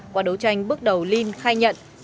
qua đấu tranh bước đầu linh khai nhận